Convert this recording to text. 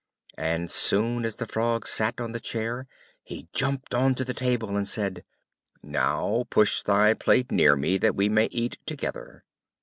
And as soon as the Frog sat on the chair, he jumped on to the table, and said, "Now push thy plate near me, that we may eat together."